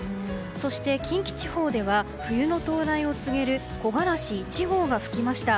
そして近畿地方で冬の到来を告げる木枯らし１号が吹きました。